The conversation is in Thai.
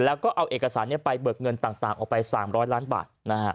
แล้วก็เอาเอกสารไปเบิกเงินต่างออกไป๓๐๐ล้านบาท